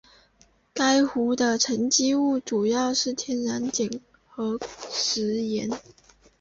该湖的沉积物主要为天然碱和石盐。